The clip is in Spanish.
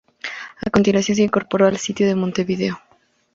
A continuación se incorporó al sitio de Montevideo.